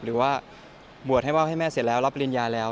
หรือว่าบวชให้ว่าวให้แม่เสร็จแล้วรับปริญญาแล้ว